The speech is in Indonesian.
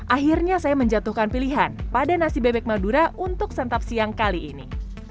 akhirnya saya menjatuhkan pilihan pada nasi bebek madura untuk santap siang kali ini